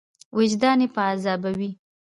وجدان یې په عذابوي.